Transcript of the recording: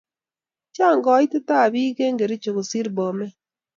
chang kaitet ab piik eng' kericho kosir bomet